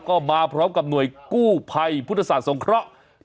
ก็มาพร้อมกับหน่วยกู้ภัยพุทธศาสตร์สงเคราะห์